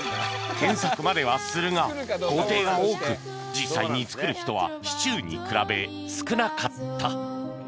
検索まではするが工程が多く実際に作る人はシチューに比べ少なかった